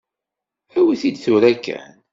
Awi-t-id tura kan.